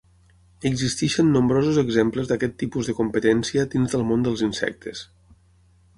Existeixen nombrosos exemples d'aquest tipus de competència dins del món dels insectes.